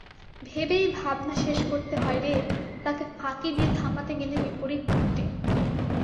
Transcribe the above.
ভেবেই ভাবনা শেষ করতে হয় রে, তাকে ফাঁকি দিয়ে থামাতে গেলে বিপরীত ঘটে।